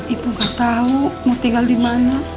ibu gak tahu mau tinggal di mana